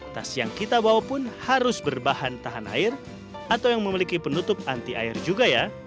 tas yang kita bawa pun harus berbahan tahan air atau yang memiliki penutup anti air juga ya